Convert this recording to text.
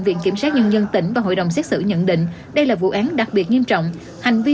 viện kiểm sát nhân dân tỉnh và hội đồng xét xử nhận định đây là vụ án đặc biệt nghiêm trọng hành vi